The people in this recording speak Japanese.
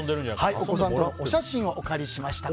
お子さんとのお写真をお借りしました。